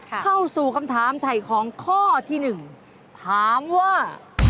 เข้าสู่คำถามถ่ายของข้อที่๑ถามว่า